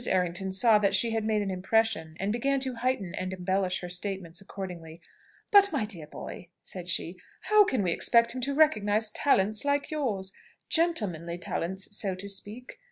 Errington saw that she had made an impression, and began to heighten and embellish her statements accordingly. "But, my dear boy," said she, "how can we expect him to recognise talents like yours gentlemanly talents, so to speak?